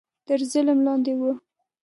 تر ظلم لاندې وو